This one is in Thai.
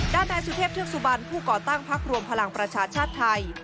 นายสุเทพเทือกสุบันผู้ก่อตั้งพักรวมพลังประชาชาติไทย